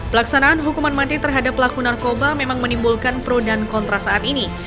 pelaksanaan hukuman mati terhadap pelaku narkoba memang menimbulkan pro dan kontra saat ini